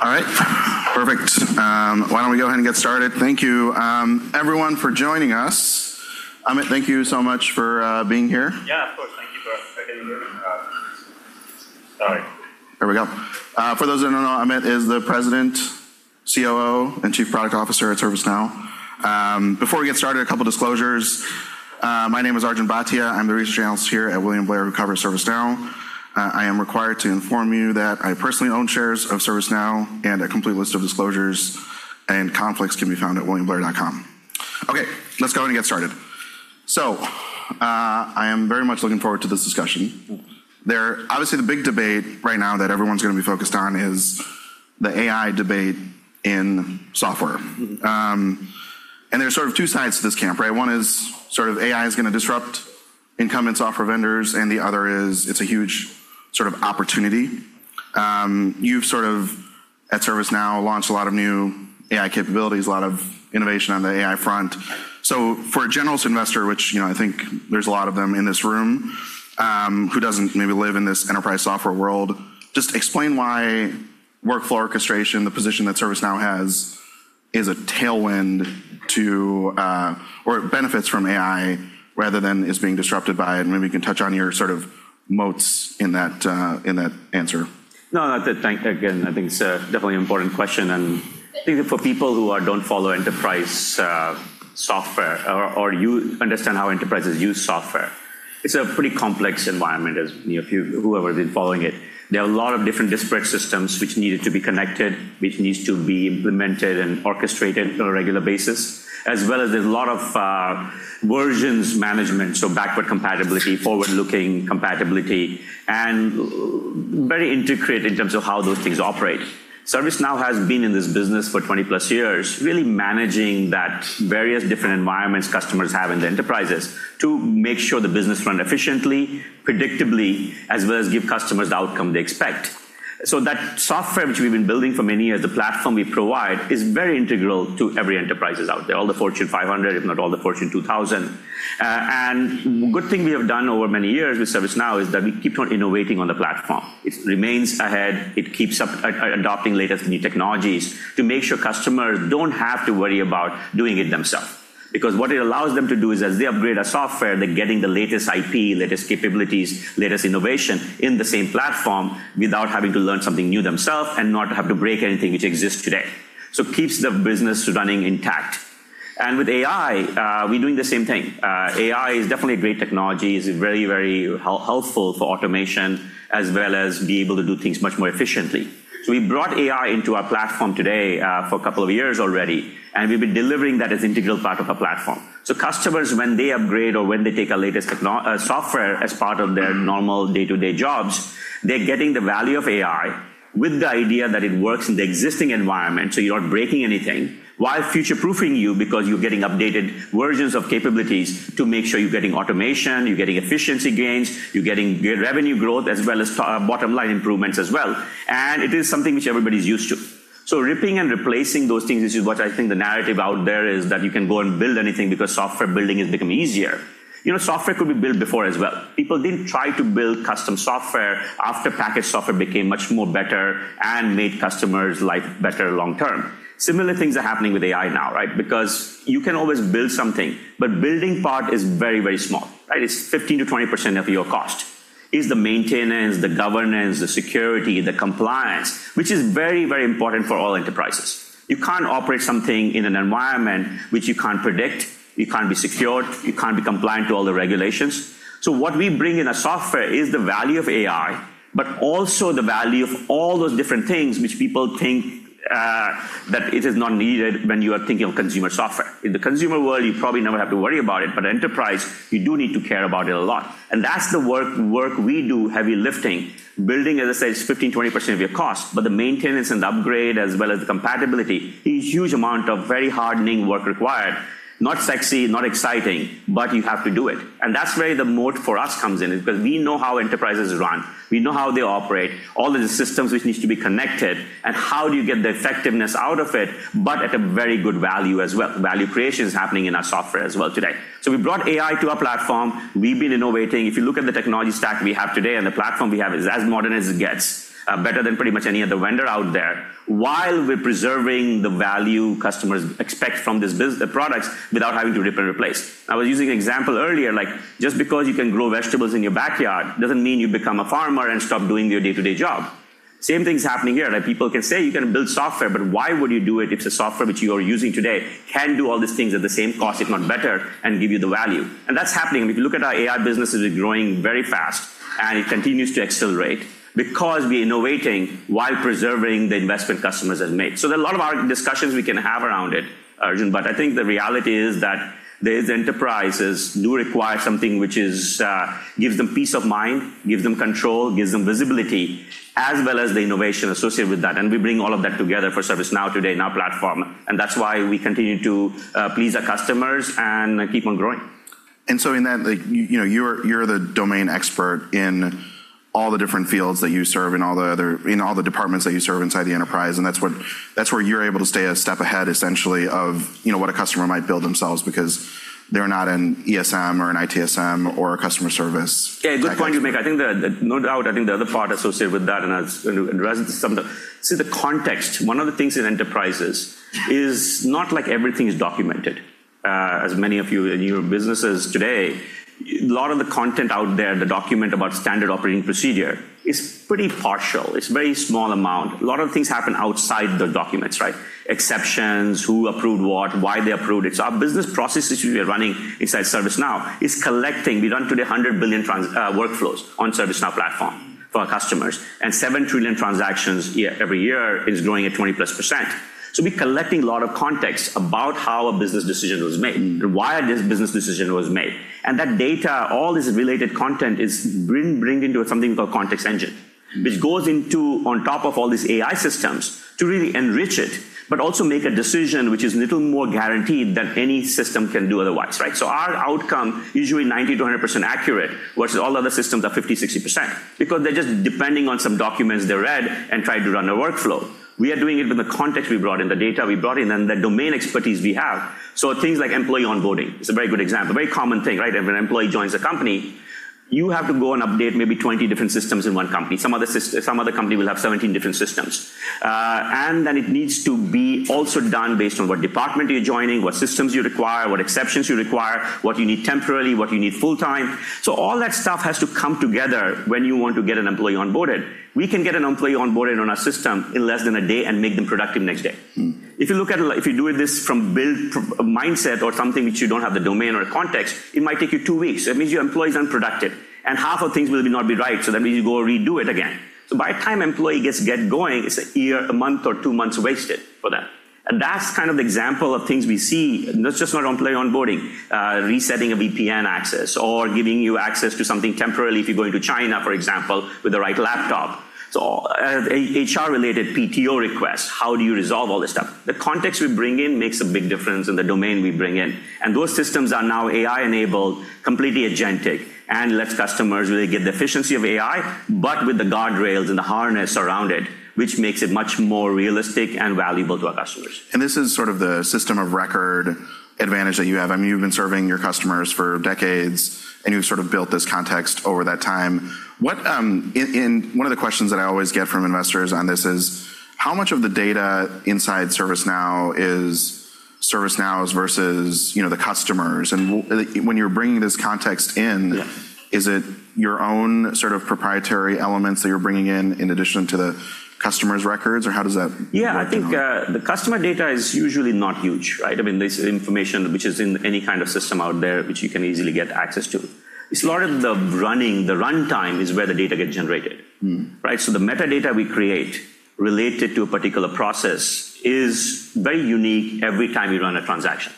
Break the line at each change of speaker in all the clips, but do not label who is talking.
All right. Perfect. Why don't we go ahead and get started? Thank you, everyone, for joining us. Amit, thank you so much for being here.
Yeah, of course. Sorry.
Here we go. For those that don't know, Amit is the President, COO, and Chief Product Officer at ServiceNow. Before we get started, a couple disclosures. My name is Arjun Bhatia. I am the research analyst here at William Blair who covers ServiceNow. I am required to inform you that I personally own shares of ServiceNow, and a complete list of disclosures and conflicts can be found at williamblair.com. Okay, let's go ahead and get started. I am very much looking forward to this discussion.
Cool.
Obviously, the big debate right now that everyone's going to be focused on is the AI debate in software. There's two sides to this camp, right? One is AI is going to disrupt incumbent software vendors, and the other is it's a huge opportunity. You've, at ServiceNow, launched a lot of new AI capabilities, a lot of innovation on the AI front. For a general investor, which I think there's a lot of them in this room, who doesn't maybe live in this enterprise software world, just explain why workflow orchestration, the position that ServiceNow has, is a tailwind to or it benefits from AI rather than is being disrupted by it. Maybe you can touch on your moats in that answer.
No, thank, again. I think it's a definitely important question. I think for people who don't follow enterprise software or understand how enterprises use software, it's a pretty complex environment as whoever has been following it. There are a lot of different disparate systems which needed to be connected, which needs to be implemented and orchestrated on a regular basis. There's a lot of versions management, so backward compatibility, forward-looking compatibility, and very integrated in terms of how those things operate. ServiceNow has been in this business for 20-plus years, really managing that various different environments customers have in the enterprises to make sure the business run efficiently, predictably, as well as give customers the outcome they expect. That software which we've been building for many years, the platform we provide, is very integral to every every enterprise out there, all the Fortune 500, if not all the Fortune 2000. Good thing we have done over many years with ServiceNow is that we keep on innovating on the platform. It remains ahead. It keeps up adopting latest new technologies to make sure customers don't have to worry about doing it themselves. Because what it allows them to do is as they upgrade a software, they're getting the latest IP, latest capabilities, latest innovation in the same platform without having to learn something new themselves and not have to break anything which exists today. It keeps the business running intact. With AI, we're doing the same thing. AI is definitely a great technology. It's very, very helpful for automation as well as be able to do things much more efficiently. We brought AI into our platform today for a couple of years already, and we've been delivering that as integral part of our platform. Customers, when they upgrade or when they take our latest software as part of their normal day-to-day jobs, they're getting the value of AI with the idea that it works in the existing environment, so you're not breaking anything, while future-proofing you because you're getting updated versions of capabilities to make sure you're getting automation, you're getting efficiency gains, you're getting good revenue growth, as well as bottom-line improvements as well. It is something which everybody's used to. Ripping and replacing those things, which is what I think the narrative out there is that you can go and build anything because software building has become easier. Software could be built before as well. People didn't try to build custom software after packaged software became much more better and made customers' life better long term. Similar things are happening with AI now, right? You can always build something, but building part is very, very small, right? It's 15%-20% of your cost. It's the maintenance, the governance, the security, the compliance, which is very, very important for all enterprises. You can't operate something in an environment which you can't predict, you can't be secured, you can't be compliant to all the regulations. What we bring in a software is the value of AI, but also the value of all those different things which people think that it is not needed when you are thinking of consumer software. In the consumer world, you probably never have to worry about it. Enterprise, you do need to care about it a lot. That's the work we do heavy lifting. Building, as I said, is 15%, 20% of your cost, but the maintenance and the upgrade, as well as the compatibility, is huge amount of very hardening work required. Not sexy, not exciting, but you have to do it. That's where the moat for us comes in because we know how enterprises run. We know how they operate, all the systems which needs to be connected, and how do you get the effectiveness out of it, but at a very good value as well. Value creation is happening in our software as well today. We've brought AI to our platform. We've been innovating. If you look at the technology stack we have today and the platform we have is as modern as it gets. Better than pretty much any other vendor out there, while we're preserving the value customers expect from the products without having to rip and replace. I was using an example earlier, like just because you can grow vegetables in your backyard doesn't mean you become a farmer and stop doing your day-to-day job. Same thing's happening here. People can say you can build software, but why would you do it if the software which you are using today can do all these things at the same cost, if not better, and give you the value? That's happening. If you look at our AI businesses are growing very fast, and it continues to accelerate because we're innovating while preserving the investment customers have made. There are a lot of our discussions we can have around it, Arjun, but I think the reality is that these enterprises do require something which gives them peace of mind, gives them control, gives them visibility, as well as the innovation associated with that. We bring all of that together for ServiceNow today in our platform, and that's why we continue to please our customers and keep on growing.
In that, you're the domain expert in all the different fields that you serve, in all the departments that you serve inside the enterprise, and that's where you're able to stay a step ahead, essentially, of what a customer might build themselves because they're not an ESM or an ITSM or a customer service.
Yeah, good point you make. No doubt, I think the other part associated with that, and I'll address it some. The context, one of the things in enterprises is not like everything is documented. As many of you in your businesses today, a lot of the content out there, the document about standard operating procedure is pretty partial. It's a very small amount. A lot of things happen outside the documents, right? Exceptions, who approved what, why they approved it. Our business processes we are running inside ServiceNow is collecting, we run today 100 billion workflows on ServiceNow platform for our customers, and seven trillion transactions every year. It's growing at 20%+. We're collecting a lot of context about how a business decision was made and why this business decision was made. That data, all this related content is being bring into something called Context Engine, which goes on top of all these AI systems to really enrich it, but also make a decision which is little more guaranteed than any system can do otherwise, right? Our outcome, usually 90%-100% accurate, versus all other systems are 50%-60%, because they're just depending on some documents they read and try to run a workflow. We are doing it with the context we brought in, the data we brought in, and the domain expertise we have. Things like employee onboarding is a very good example, a very common thing, right? If an employee joins a company, you have to go and update maybe 20 different systems in one company. Some other company will have 17 different systems. It needs to be also done based on what department you're joining, what systems you require, what exceptions you require, what you need temporarily, what you need full-time. All that stuff has to come together when you want to get an employee onboarded. We can get an employee onboarded on our system in less than a day and make them productive next day. If you do this from build from a mindset or something which you don't have the domain or context, it might take you two weeks. That means your employee's unproductive, and half of things will not be right, so that means you go redo it again. By the time employee gets going, it's a month or two months wasted for them. That's kind of the example of things we see, not just around employee onboarding. Resetting a VPN access or giving you access to something temporarily if you're going to China, for example, with the right laptop. HR-related PTO requests. How do you resolve all this stuff? The context we bring in makes a big difference in the domain we bring in, and those systems are now AI-enabled, completely agentic, and lets customers really get the efficiency of AI, but with the guardrails and the harness around it, which makes it much more realistic and valuable to our customers.
This is sort of the system of record advantage that you have. You've been serving your customers for decades, and you've sort of built this context over that time. One of the questions that I always get from investors on this is how much of the data inside ServiceNow is ServiceNow's versus the customer's? When you're bringing this context in.
Yeah
is it your own sort of proprietary elements that you're bringing in in addition to the customer's records, or how does that work?
I think the customer data is usually not huge, right, this information which is in any kind of system out there which you can easily get access to. It's a lot of the runtime is where the data gets generated. Right? The metadata we create related to a particular process is very unique every time you run a transaction.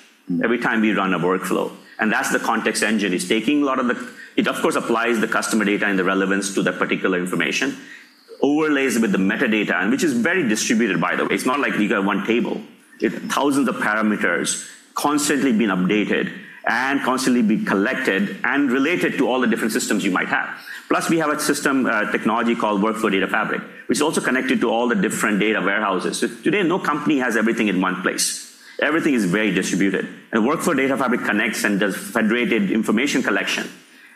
Every time you run a workflow. That's the Context Engine. It, of course, applies the customer data and the relevance to that particular information, overlays with the metadata, and which is very distributed, by the way. It's not like you got one table. Thousands of parameters constantly being updated and constantly being collected and related to all the different systems you might have. We have a system technology called Workflow Data Fabric, which is also connected to all the different data warehouses. Today, no company has everything in one place. Everything is very distributed. Workflow Data Fabric connects and does federated information collection,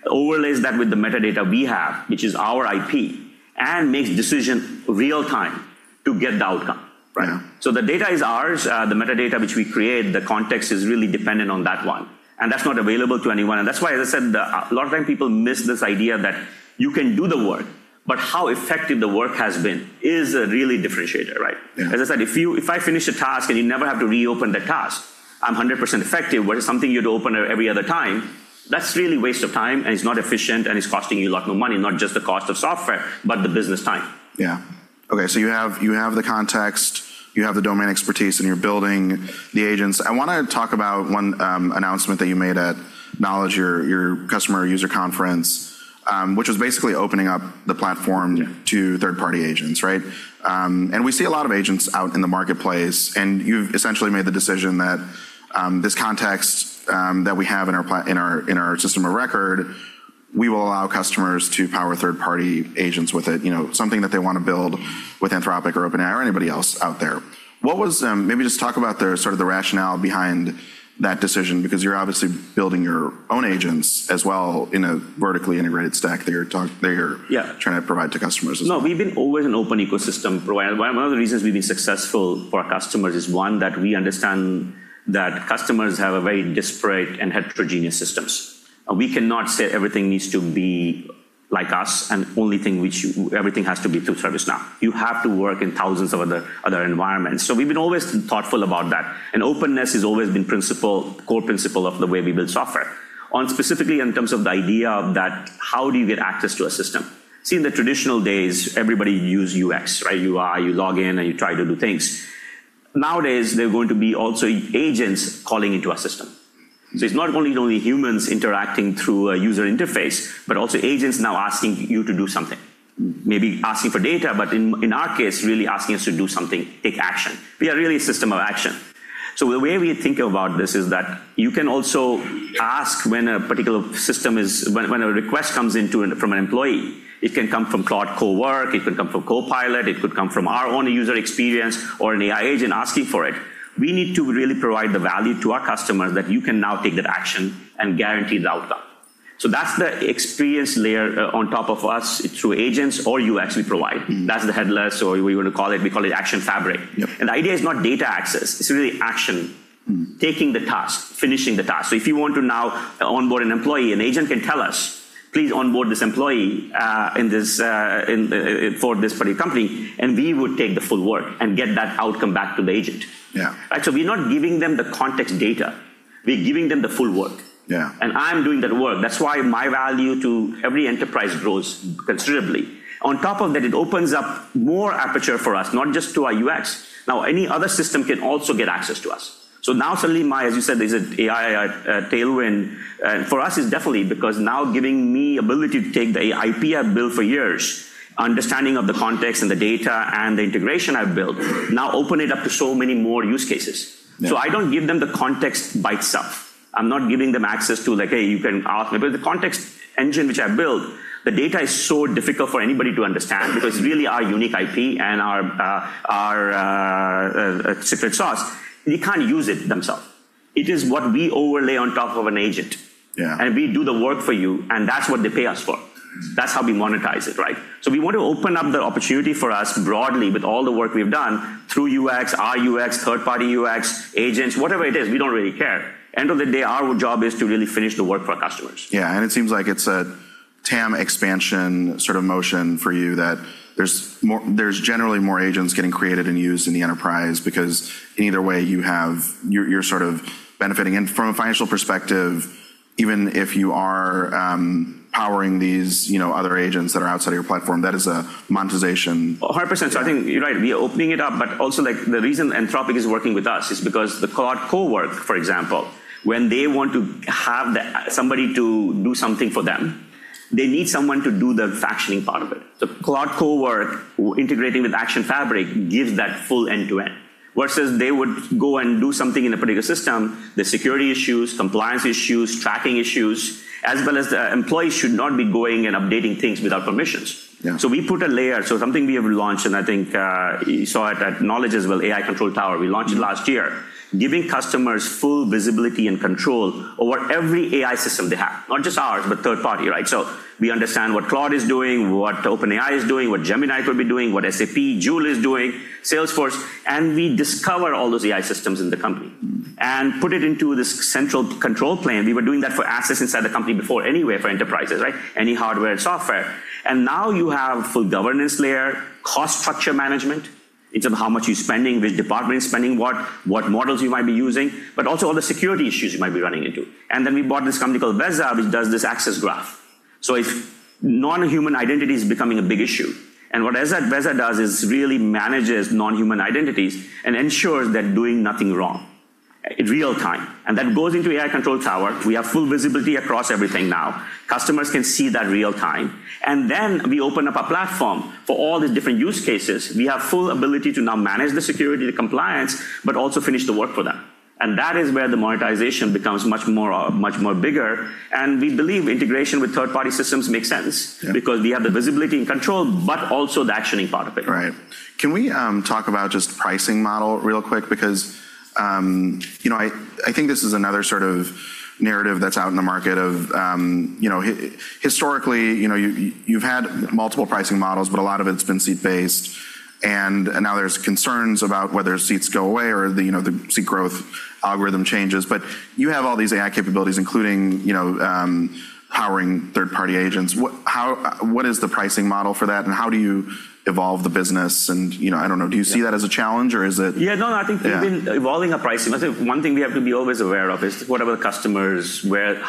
overlays that with the metadata we have, which is our IP, and makes decision real time to get the outcome, right?
Yeah.
The data is ours. The metadata which we create, the context is really dependent on that one, and that's not available to anyone. That's why, as I said, a lot of time people miss this idea that you can do the work, but how effective the work has been is a really differentiator, right?
Yeah.
As I said, if I finish a task and you never have to reopen the task, I'm 100% effective. If something you'd open every other time, that's really waste of time, and it's not efficient, and it's costing you a lot more money, not just the cost of software, but the business time.
Yeah. Okay, you have the context, you have the domain expertise, and you're building the agents. I want to talk about one announcement that you made at Knowledge, your customer user conference, which was basically opening up the platform.
Yeah
to third-party agents, right? We see a lot of agents out in the marketplace, and you've essentially made the decision that this context that we have in our system of record, we will allow customers to power third-party agents with it. Something that they want to build with Anthropic or OpenAI or anybody else out there. Maybe just talk about the rationale behind that decision, because you're obviously building your own agents as well in a vertically integrated stack that you're trying to provide to customers as well.
We've been always an open ecosystem provider. One of the reasons we've been successful for our customers is, one, that we understand that customers have a very disparate and heterogeneous systems, and we cannot say everything needs to be like us, and only thing which everything has to be through ServiceNow. You have to work in thousands of other environments. We've been always thoughtful about that, and openness has always been core principle of the way we build software. Specifically in terms of the idea of that how do you get access to a system? In the traditional days, everybody use UX, right? UI, you log in, and you try to do things. Nowadays, there are going to be also agents calling into our system. It's not only humans interacting through a user interface, but also agents now asking you to do something. Maybe asking for data, but in our case, really asking us to do something, take action. We are really a system of action. The way we think about this is that you can also ask when a request comes in from an employee. It can come from Claude Cowork, it can come from Copilot, it could come from our own user experience or an AI agent asking for it. We need to really provide the value to our customers that you can now take that action and guarantee the outcome. That's the experience layer on top of us through agents or UX we provide. That's the headless or we're going to call it Action Fabric.
Yep.
The idea is not data access, it's really action. If you want to now onboard an employee, an agent can tell us, "Please onboard this employee for this particular company," and we would take the full work and get that outcome back to the agent.
Yeah.
We're not giving them the context data. We're giving them the full work.
Yeah.
I'm doing that work. That's why my value to every enterprise grows considerably. On top of that, it opens up more aperture for us, not just to our UX. Now, any other system can also get access to us. Now suddenly, as you said, there's an AI tailwind. For us, it's definitely because now giving me ability to take the IP I've built for years, understanding of the context and the data and the integration I've built, now open it up to so many more use cases.
Yeah.
I don't give them the context by itself. I'm not giving them access to like, "Hey, you can ask me." The Context Engine which I built, the data is so difficult for anybody to understand because really our unique IP and our secret sauce, they can't use it themselves. It is what we overlay on top of an agent.
Yeah.
We do the work for you, and that's what they pay us for. That's how we monetize it. We want to open up the opportunity for us broadly with all the work we've done through UX, our UX, third-party UX, agents, whatever it is, we don't really care. End of the day, our job is to really finish the work for our customers.
Yeah. It seems like it's a TAM expansion sort of motion for you that there's generally more agents getting created and used in the enterprise because in either way, you're sort of benefiting. From a financial perspective, even if you are powering these other agents that are outside of your platform, that is a monetization.
100%. I think you're right, we are opening it up, but also the reason Anthropic is working with us is because the Claude Cowork, for example, when they want to have somebody to do something for them, they need someone to do the actioning part of it. Claude Cowork integrating with Action Fabric gives that full end-to-end. Versus they would go and do something in a particular system, the security issues, compliance issues, tracking issues, as well as the employees should not be going and updating things without permissions.
Yeah.
We put a layer, something we have launched, and I think you saw it at Knowledge as well, AI Control Tower, we launched it last year. Giving customers full visibility and control over every AI system they have. Not just ours, but third party. We understand what Claude is doing, what OpenAI is doing, what Gemini could be doing, what SAP Joule is doing, Salesforce, and we discover all those AI systems in the company and put it into this central control plane. We were doing that for assets inside the company before anyway, for enterprises. Any hardware and software. Now you have full governance layer, cost structure management, in terms of how much you're spending, which department is spending what models you might be using, but also all the security issues you might be running into. Then we bought this company called Veza, which does this access graph. If non-human identity is becoming a big issue, what Veza does is really manages non-human identities and ensures they're doing nothing wrong in real time. That goes into AI Control Tower. We have full visibility across everything now. Customers can see that real time. Then we open up a platform for all these different use cases. We have full ability to now manage the security, the compliance, but also finish the work for them. That is where the monetization becomes much more bigger. We believe integration with third-party systems makes sense.
Yeah
because we have the visibility and control, but also the actioning part of it.
Right. Can we talk about just the pricing model real quick? Because I think this is another sort of narrative that's out in the market of, historically, you've had multiple pricing models, but a lot of it's been seat based, and now there's concerns about whether seats go away or the seat growth algorithm changes. You have all these AI capabilities, including powering third-party agents. What is the pricing model for that, and how do you evolve the business? I don't know, do you see that as a challenge or is it-
Yeah, no, I think we've been evolving our pricing model. One thing we have to be always aware of is what are the customers,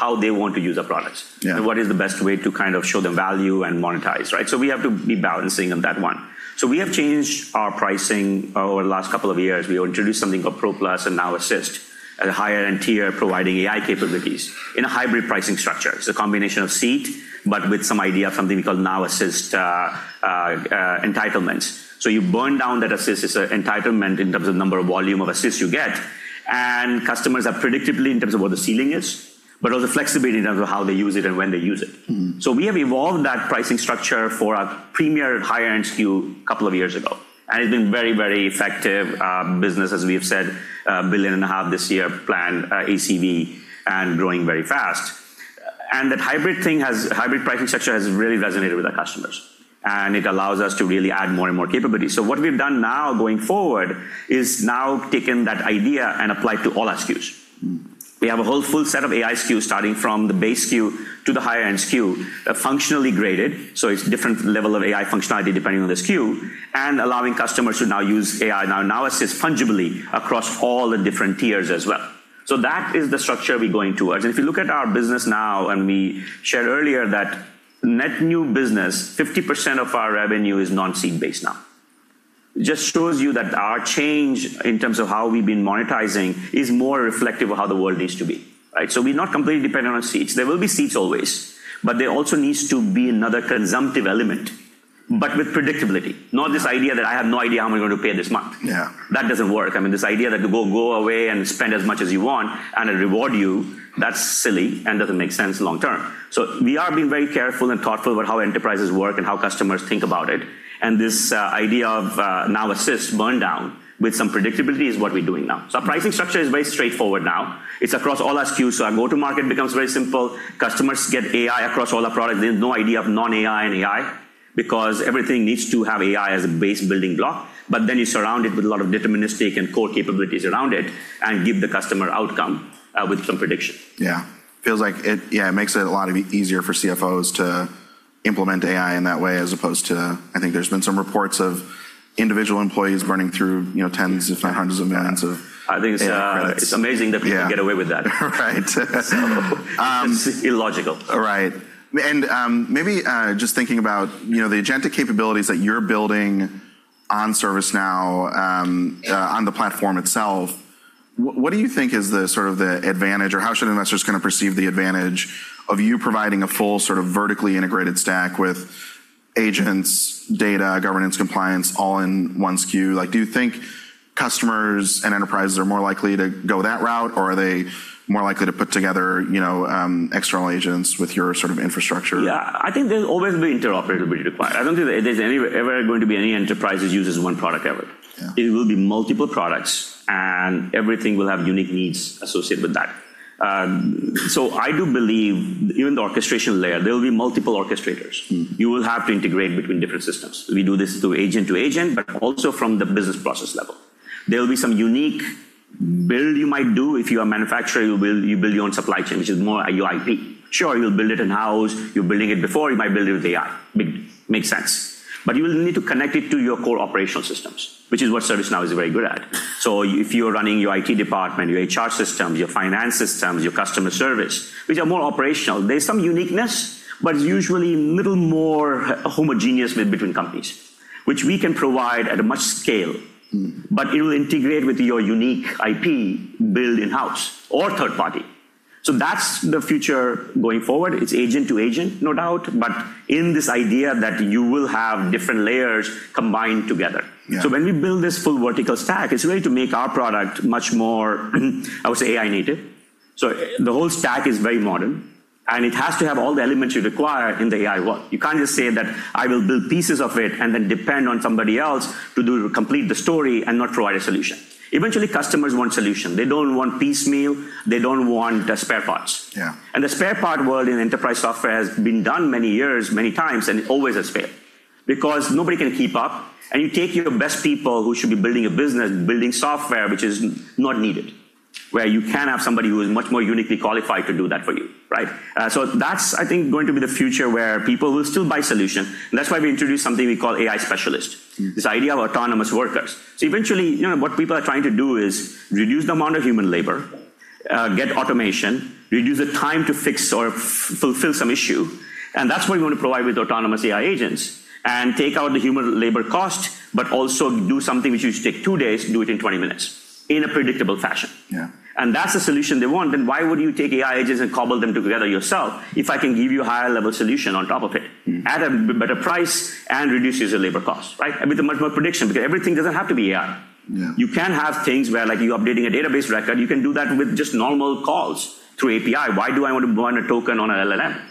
how they want to use our products.
Yeah.
What is the best way to kind of show them value and monetize. We have to be balancing on that one. We have changed our pricing over the last couple of years. We introduced something called Pro Plus and Now Assist at a higher end tier, providing AI capabilities in a hybrid pricing structure. It's a combination of seat, but with some idea of something we call Now Assist entitlements. You burn down that assist. It's an entitlement in terms of number of volume of assists you get. Customers are predictably in terms of what the ceiling is, but also flexibility in terms of how they use it and when they use it. We have evolved that pricing structure for our premier higher-end SKU a couple of years ago, and it's been very, very effective business, as we've said, $1.5 billion and a half this year planned ACV and growing very fast. That hybrid pricing structure has really resonated with our customers, and it allows us to really add more and more capabilities. What we've done now going forward is now taken that idea and applied to all our SKUs. We have a whole full set of AI SKUs starting from the base SKU to the higher-end SKU, functionally graded. It's different level of AI functionality depending on the SKU, and allowing customers to now use AI, Now Assist fungibly across all the different tiers as well. That is the structure we're going towards. If you look at our business now, and we shared earlier that net new business, 50% of our revenue is non-seat based now. Just shows you that our change in terms of how we've been monetizing is more reflective of how the world needs to be. We're not completely dependent on seats. There will be seats always, but there also needs to be another consumptive element, but with predictability, not this idea that I have no idea how am I going to pay this month.
Yeah.
That doesn't work. I mean, this idea that you go away and spend as much as you want and it reward you, that's silly and doesn't make sense long term. We are being very careful and thoughtful about how enterprises work and how customers think about it. This idea of Now Assist burn down with some predictability is what we're doing now. Our pricing structure is very straightforward now. It's across all our SKUs, so our go to market becomes very simple. Customers get AI across all our products. There's no idea of non-AI and AI. Everything needs to have AI as a base building block, but then you surround it with a lot of deterministic and core capabilities around it and give the customer outcome with some prediction.
Yeah. Feels like it makes it a lot easier for CFOs to implement AI in that way, as opposed to, I think there's been some reports of individual employees burning through tens, if not hundreds of millions.
I think it's-
AI credits. Yeah.
It's amazing that people can get away with that.
Right.
It's illogical.
Right. Maybe just thinking about the agentic capabilities that you're building on ServiceNow, on the platform itself, what do you think is the advantage, or how should investors perceive the advantage of you providing a full vertically integrated stack with agents, data, governance, compliance, all in one SKU? Do you think customers and enterprises are more likely to go that route, or are they more likely to put together external agents with your infrastructure?
Yeah, I think there'll always be interoperability required. I don't think there's ever going to be any enterprise that uses one product ever.
Yeah.
It will be multiple products. Everything will have unique needs associated with that. I do believe even the orchestration layer, there will be multiple orchestrators. You will have to integrate between different systems. We do this through agent to agent, but also from the business process level. There will be some unique build you might do. If you are a manufacturer, you build your own supply chain, which is more your IP. Sure, you'll build it in-house. You're building it before, you might build it with AI. Makes sense. You will need to connect it to your core operational systems, which is what ServiceNow is very good at. If you're running your IT department, your HR systems, your finance systems, your customer service, which are more operational, there's some uniqueness, but it's usually little more homogeneous made between companies, which we can provide at a much scale. It will integrate with your unique IP build in-house or third party. That's the future going forward. It's agent to agent, no doubt, but in this idea that you will have different layers combined together.
Yeah.
When we build this full vertical stack, it's really to make our product much more I would say AI native. The whole stack is very modern, and it has to have all the elements you require in the AI world. You can't just say that I will build pieces of it and then depend on somebody else to complete the story and not provide a solution. Eventually, customers want solution. They don't want piecemeal. They don't want spare parts.
Yeah.
The spare part world in enterprise software has been done many years, many times, and always has failed. Nobody can keep up, and you take your best people who should be building a business building software which is not needed, where you can have somebody who is much more uniquely qualified to do that for you. That's, I think, going to be the future where people will still buy solution. That's why we introduced something we call AI Specialist. This idea of autonomous workers. Eventually, what people are trying to do is reduce the amount of human labor, get automation, reduce the time to fix or fulfill some issue. That's what we want to provide with autonomous AI agents, and take out the human labor cost, but also do something which used to take two days, do it in 20 minutes in a predictable fashion.
Yeah.
That's the solution they want. Why would you take AI agents and cobble them together yourself if I can give you a higher level solution on top of it. at a better price and reduces your labor cost, right? With a much more prediction, because everything doesn't have to be AI.
Yeah.
You can have things where you're updating a database record. You can do that with just normal calls through API. Why do I want to run a token on an LLM?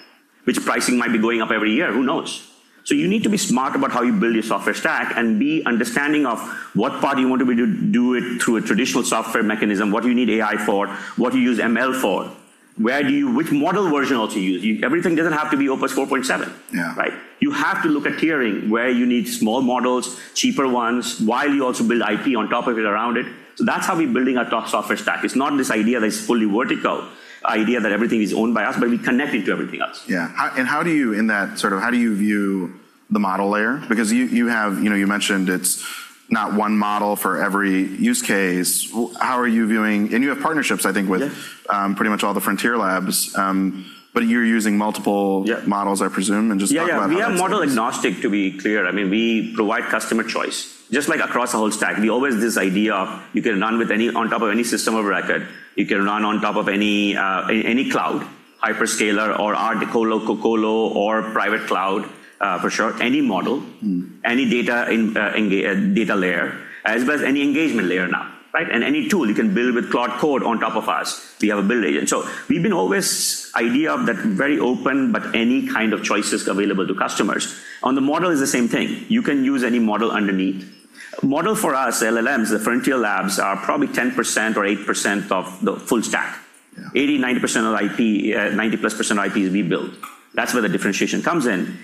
Which pricing might be going up every year. Who knows? You need to be smart about how you build your software stack and be understanding of what part you want to do it through a traditional software mechanism. What do you need AI for? What do you use ML for? Which model version also use? Everything doesn't have to be Claude Opus.
Yeah.
Right? You have to look at tiering where you need small models, cheaper ones, while you also build IP on top of it, around it. That's how we're building our top software stack. It's not this idea that it's fully vertical, idea that everything is owned by us, but we connect it to everything else.
Yeah. In that, how do you view the model layer? Because you mentioned it's not one model for every use case. You have partnerships, I think.
Yeah
with pretty much all the frontier labs. You're using multiple.
Yeah
models, I presume, and just talk about that a little bit.
Yeah. We are model agnostic, to be clear. We provide customer choice. Just like across the whole stack. We always this idea of you can run on top of any system of record. You can run on top of any cloud, hyperscaler or our co-lo or private cloud, for sure. Any model. Any data layer, as well as any engagement layer now. Any tool you can build with cloud code on top of us. We have a build agent. We've been always this idea of that very open, but any kind of choices available to customers. On the model is the same thing. You can use any model underneath. Model for us, LLMs, the frontier labs are probably 10% or 8% of the full stack.
Yeah.
80%, 90% of IP, 90+% IP is we build. That's where the differentiation comes in.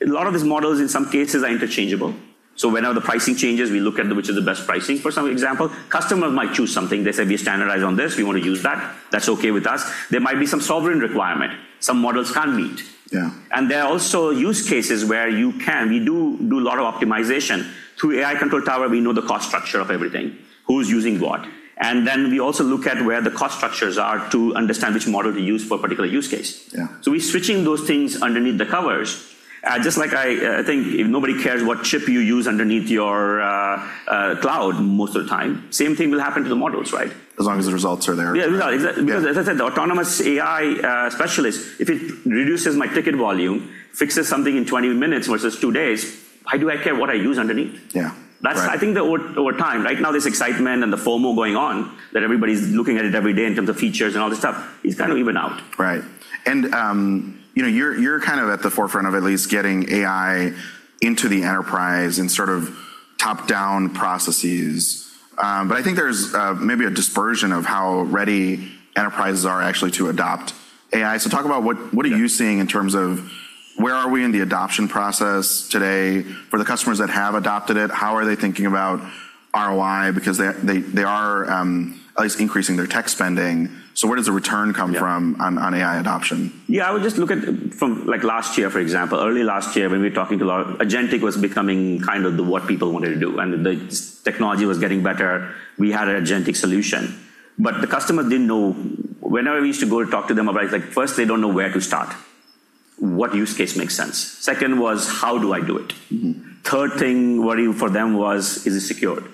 A lot of these models, in some cases, are interchangeable. Whenever the pricing changes, we look at which is the best pricing. For some example, customers might choose something. They say, "We standardize on this. We want to use that." That's okay with us. There might be some sovereign requirement some models can't meet.
Yeah.
There are also use cases where we do a lot of optimization. Through AI Control Tower, we know the cost structure of everything, who's using what. Then we also look at where the cost structures are to understand which model to use for a particular use case.
Yeah.
We're switching those things underneath the covers. Just like I think nobody cares what chip you use underneath your cloud most of the time. Same thing will happen to the models, right?
As long as the results are there.
Yeah. Exactly.
Yeah.
As I said, the autonomous AI Specialist, if it reduces my ticket volume, fixes something in 20 minutes versus two days, why do I care what I use underneath?
Yeah. Right.
I think that over time. Right now, this excitement and the FOMO going on, that everybody's looking at it every day in terms of features and all this stuff, it's going to even out.
Right. You're at the forefront of at least getting AI into the enterprise and top-down processes. I think there's maybe a dispersion of how ready enterprises are actually to adopt AI. Talk about what are you seeing in terms of where are we in the adoption process today? For the customers that have adopted it, how are they thinking about ROI? Because they are at least increasing their tech spending. Where does the return come from?
Yeah
on AI adoption?
Yeah, I would just look at from last year, for example. Early last year, when we were talking to a lot, agentic was becoming what people wanted to do, and the technology was getting better. We had an agentic solution. The customer didn't know. Whenever we used to go talk to them about it, first, they don't know where to start. What use case makes sense? Second was, how do I do it? Third thing worrying for them was: is it secured?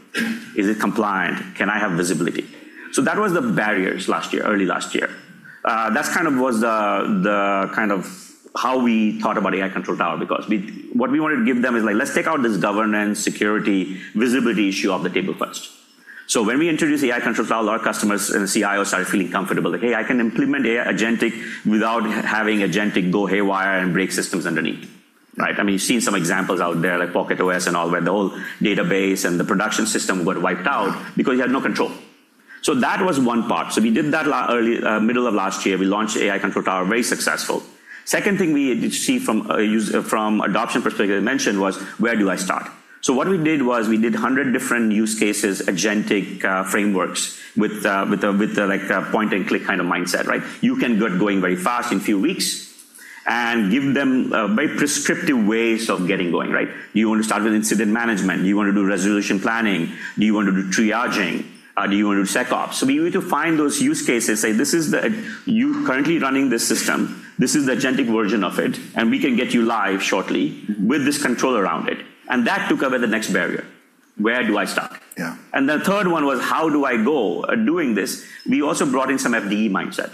Is it compliant? Can I have visibility? Those were the barriers early last year. That was how we thought about AI Control Tower, because what we wanted to give them is, let's take out this governance, security, visibility issue off the table first. When we introduced AI Control Tower, a lot of customers and the CIO started feeling comfortable, like, "Hey, I can implement AI agentic without having agentic go haywire and break systems underneath." You've seen some examples out there, like Pocket OS and all, where the whole database and the production system got wiped out because you had no control. That was one part. We did that middle of last year. We launched AI Control Tower, very successful. Second thing we did see from adoption perspective, as I mentioned, was: where do I start? What we did was we did 100 different use cases, agentic frameworks with a point-and-click kind of mindset. You can get going very fast in a few weeks and give them very prescriptive ways of getting going. You want to start with incident management. Do you want to do resolution planning? Do you want to do triaging? Do you want to do SecOps? We need to find those use cases, say, "You're currently running this system. This is the agentic version of it, and we can get you live shortly with this control around it." That took away the next barrier. Where do I start?
Yeah.
The third one was: how do I go doing this? We also brought in some FDE mindset,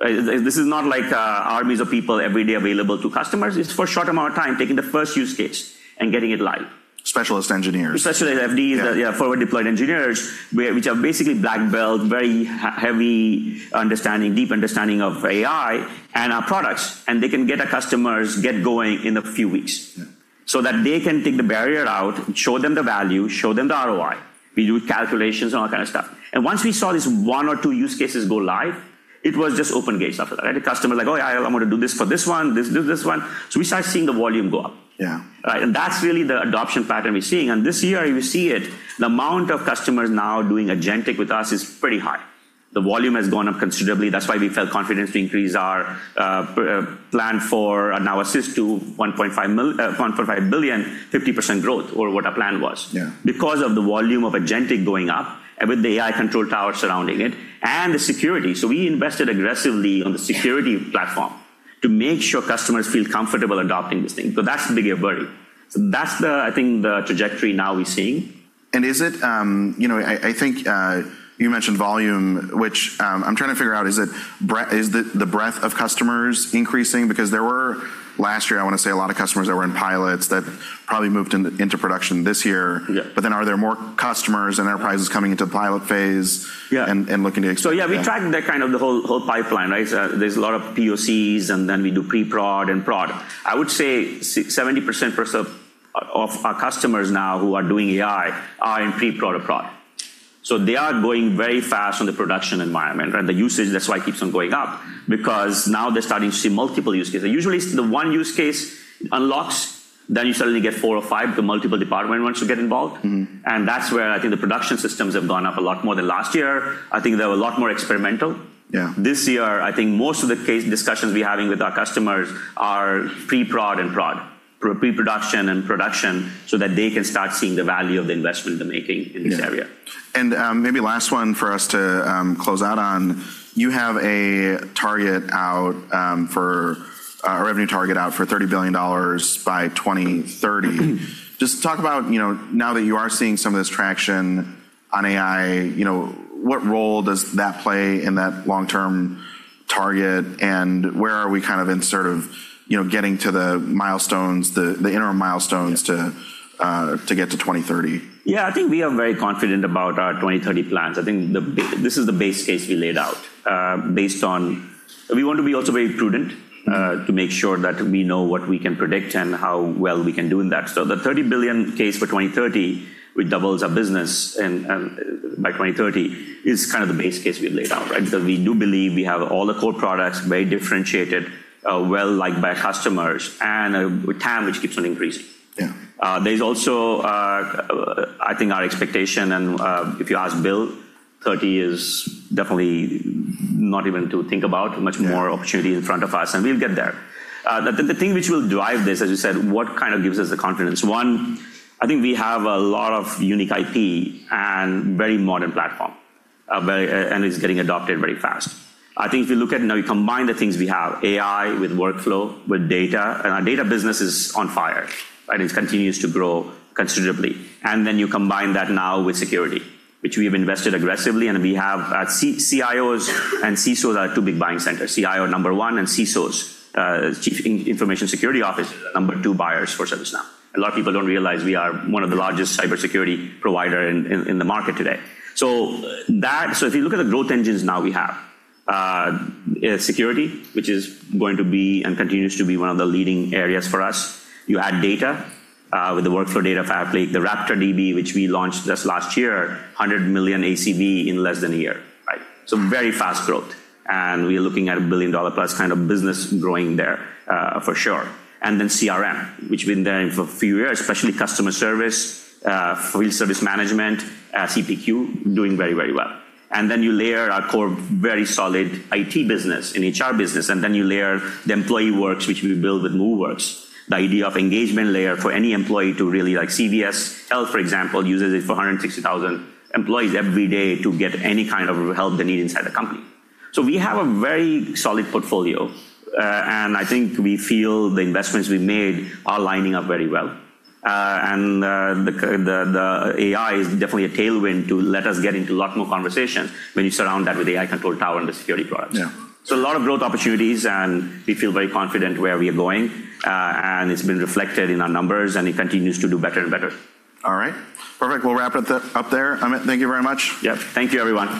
right? This is not like armies of people every day available to customers. It's for a short amount of time, taking the first use case and getting it live.
Specialist engineers.
Specialist FDEs.
Yeah.
Yeah, Forward-Deployed Engineers, which are basically black belt, very heavy understanding, deep understanding of AI and our products, and they can get our customers get going in a few weeks.
Yeah.
That they can take the barrier out, show them the value, show them the ROI. We do calculations and all that kind of stuff. Once we saw these one or two use cases go live, it was just open gates after that. The customer like, "Oh, yeah. I'm going to do this for this one, this one." We started seeing the volume go up.
Yeah.
That's really the adoption pattern we're seeing. This year, you see it. The amount of customers now doing agentic with us is pretty high. The volume has gone up considerably. That's why we felt confidence to increase our plan for our Now Assist to $1.5 billion, 50% growth over what our plan was.
Yeah.
Because of the volume of agentic going up and with the AI Control Tower surrounding it and the security. We invested aggressively on the security platform to make sure customers feel comfortable adopting this thing. That's the bigger worry. That's, I think, the trajectory now we're seeing.
I think you mentioned volume, which I'm trying to figure out, is the breadth of customers increasing? There were, last year, I want to say, a lot of customers that were in pilots that probably moved into production this year.
Yeah.
Are there more customers and enterprises coming into the pilot phase?
Yeah
looking to expand?
Yeah. We track the whole pipeline. There's a lot of POCs, and then we do pre-prod and prod. I would say 70% of our customers now who are doing AI are in pre-prod or prod. They are going very fast on the production environment. The usage, that's why it keeps on going up, because now they're starting to see multiple use cases. Usually, the one use case unlocks. You suddenly get four or five. The multiple department wants to get involved. That's where I think the production systems have gone up a lot more than last year. I think they were a lot more experimental.
Yeah.
This year, I think most of the case discussions we're having with our customers are pre-prod and prod. Pre-production and production so that they can start seeing the value of the investment they're making in this area.
Yeah. Maybe last one for us to close out on. You have a revenue target out for $30 billion by 2030. Just talk about now that you are seeing some of this traction on AI, what role does that play in that long-term target, and where are we in getting to the interim milestones to get to 2030?
Yeah, I think we are very confident about our 2030 plans. I think this is the base case we laid out. We want to be also very prudent to make sure that we know what we can predict and how well we can do in that. The $30 billion case for 2030, which doubles our business by 2030, is the base case we laid out. We do believe we have all the core products very differentiated, well-liked by customers, and TAM, which keeps on increasing.
Yeah.
There's also, I think, our expectation, and if you ask Bill, 30 is definitely not even to think about.
Yeah
opportunity in front of us, and we'll get there. The thing which will drive this, as you said, what gives us the confidence? One, I think we have a lot of unique IP and very modern platform, and it's getting adopted very fast. I think if you look at now you combine the things we have, AI with workflow, with data, and our data business is on fire, and it continues to grow considerably. You combine that now with security, which we have invested aggressively, and we have CIOs and CISOs are two big buying centers. CIO, number 1, and CISOs, Chief Information Security Officers, are number 2 buyers for ServiceNow. A lot of people don't realize we are one of the largest cybersecurity provider in the market today. If you look at the growth engines now we have, security, which is going to be and continues to be one of the leading areas for us. You add data with the Workflow Data Fabric, the RaptorDB, which we launched just last year, $100 million ACV in less than a year. Very fast growth, and we are looking at a $1 billion-plus kind of business growing there for sure. CRM, which has been there for a few years, especially customer service, field service management, CPQ, doing very, very well. You layer our core, very solid IT business and HR business, and then you layer the EmployeeWorks, which we build with Moveworks. The idea of engagement layer for any employee to really Like CVS Health, for example, uses it for 160,000 employees every day to get any kind of help they need inside the company. We have a very solid portfolio, and I think we feel the investments we've made are lining up very well. The AI is definitely a tailwind to let us get into a lot more conversation when you surround that with AI Control Tower and the security products.
Yeah.
A lot of growth opportunities, and we feel very confident where we are going. It's been reflected in our numbers, and it continues to do better and better.
All right. Perfect. We will wrap it up there. Amit, thank you very much.
Yep. Thank you, everyone.